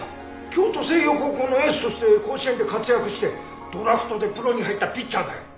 京都星耀高校のエースとして甲子園で活躍してドラフトでプロに入ったピッチャーだよ。